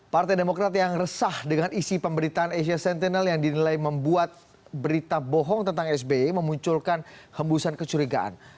partai demokrat yang resah dengan isi pemberitaan asia sentinel yang dinilai membuat berita bohong tentang sbe memunculkan hembusan kecurigaan